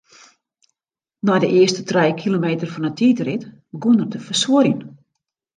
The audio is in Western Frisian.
Nei de earste trije kilometer fan 'e tiidrit begûn er te fersuorjen.